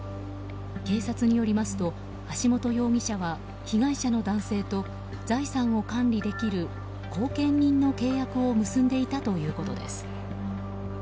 警察によりますと橋本容疑者は被害者の男性と財産を管理できる後見人の契約を結んでいたということです。